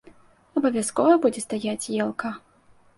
Абавязкова будзе стаяць елка!